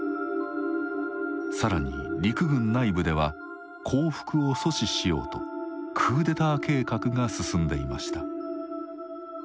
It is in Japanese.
更に陸軍内部では降伏を阻止しようとクーデター計画が進んでいました。